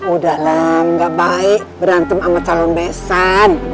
udahlah gak baik berantem sama calon besan